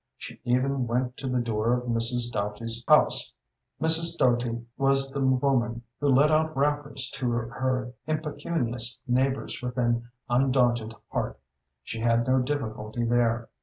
She even went to the door of Mrs. Doty's house. Mrs. Doty was the woman who let out wrappers to her impecunious neighbors with an undaunted heart. She had no difficulty there.